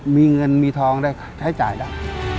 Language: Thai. มีเงินมีทองได้ใช้จ่ายแล้ว